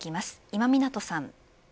今湊さん。